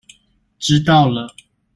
知道了